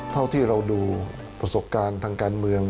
เท่าที่เราดูประสบการณ์ทางการเมือง